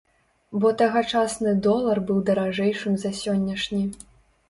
Бо тагачасны долар быў даражэйшым за сённяшні.